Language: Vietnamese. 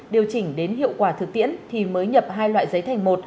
điều chỉnh đến hiệu quả thực tiễn thì mới nhập hai loại giấy thành một